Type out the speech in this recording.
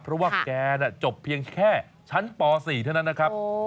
เพราะว่าแกน่ะจบเพียงแค่ชั้นป๔เท่านั้นนะครับ